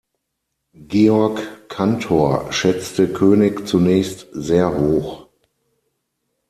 Georg Cantor schätzte König zunächst sehr hoch.